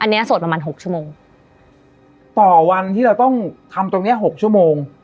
อันนี้สวดประมาณหกชั่วโมงต่อวันที่เราต้องทำตรงเนี้ยหกชั่วโมง